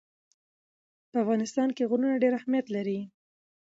په افغانستان کې غرونه ډېر اهمیت لري.